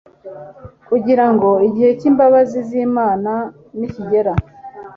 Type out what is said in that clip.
kugira ngo igihe cy'imbabazi z'imana nikigera